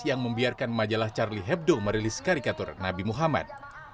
yang membiarkan majalah charlie hebdo merilis karikatur nabi muhammad